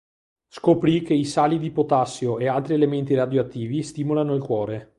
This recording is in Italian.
Scoprì che i sali di potassio e altri elementi radioattivi stimolano il cuore.